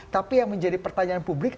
tapi yang menjadi pertanyaan publik